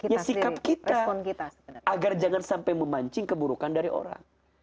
ya sikap kita agar jangan sampai memancing keburukan dari orang